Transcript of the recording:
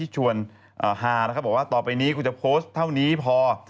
ก็บอกว่าต่อไปนี้กูจะโพสต์เท่านี้พอ